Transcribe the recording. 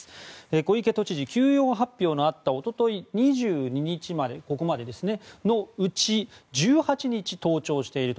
小池都知事休養発表のあった一昨日２２日までのうち１８日登庁していると。